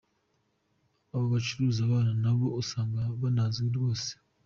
Abo bacuruza abana nabo usanga banazwi rwose.